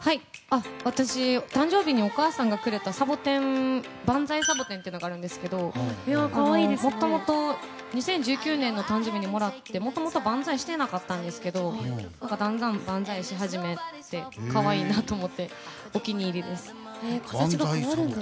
私、誕生日にお母さんがくれた万歳サボテンというのがあるんですけどもともと２０１９年の誕生日にもらってもともと万歳してなかったんですけどだんだん万歳し始めて可愛いなと思って万歳サボテン。